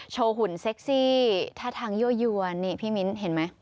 หุ่นเซ็กซี่ท่าทางยั่วยวนนี่พี่มิ้นเห็นไหม